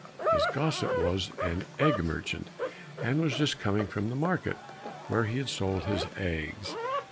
His gossip was an egg merchant, and was just coming from the market, where he had sold his eggs.